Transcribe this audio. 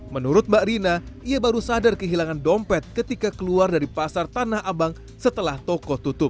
menurut mbak rina ia baru sadar kehilangan dompet ketika keluar dari pasar tanah abang setelah toko tutup